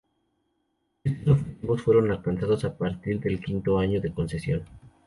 Estos objetivos fueron alcanzados a partir del quinto año de concesión.